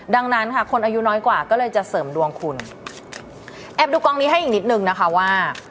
ดังนั้นค่ะคนอายุน้อยกว่าก็เลยจะเสริมดวงคุณแอบดูกองนี้ให้อีกนิดนึงนะคะว่า